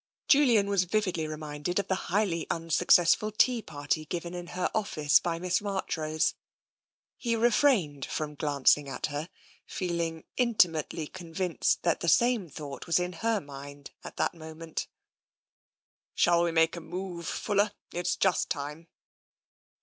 Julian was vividly reminded of the highly unsuccess ful tea party given in her office by Miss Marchrose. He refrained from glancing at her, feeling intimately convinced that the same thought was in her mind at the moment. "Shall we make a move. Fuller? It's just time."